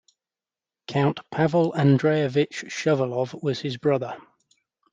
Count Pavel Andreyevich Shuvalov was his brother.